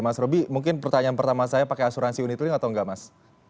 mas roby mungkin pertanyaan pertama saya pakai asuransi unit link atau enggak mas